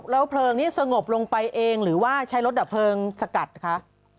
แล้วเพลิงนี้สงบลงไปเองหรือว่าใช้รถดับเพลิงสกัดคะ